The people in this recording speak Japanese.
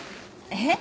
えっ？